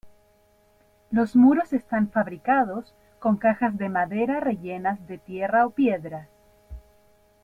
Los muros están fabricados con cajas de madera rellenas de tierra o piedras.